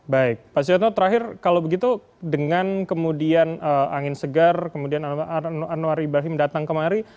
baik pak suyono terakhir kalau begitu dengan kemudian angin segar kemudian anwar ibrahim datang kemari